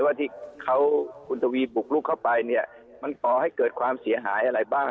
ว่าที่เขาคุณทวีบุกลุกเข้าไปเนี่ยมันก่อให้เกิดความเสียหายอะไรบ้าง